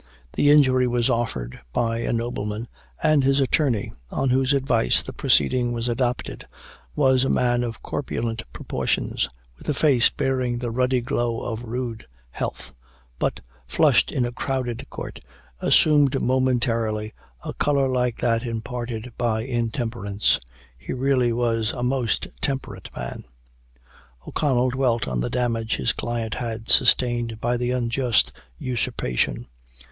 The injury was offered by a nobleman, and his attorney, on whose advice the proceeding was adopted, was a man of corpulent proportions, with a face bearing the ruddy glow of rude health, but, flushed in a crowded court, assumed momentarily, a color like that imparted by intemperance. He really was a most temperate man. O'Connell dwelt on the damage his client had sustained by the unjust usurpation.